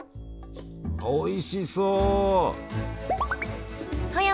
おいしそう！